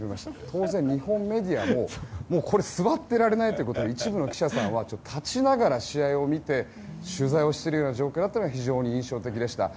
当然、日本メディアもこれ座ってられないということで一部の記者さんは立ちながら試合を見て取材をしているような状況だったのが非常に印象的でした。